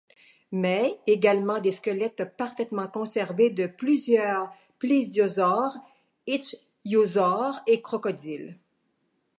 Mais, également des squelettes parfaitement conservées de plusieurs plésiosaures, ichthyosaures et crocodiles.